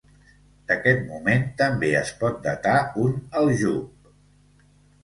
D'aquest moment també es pot datar un aljub.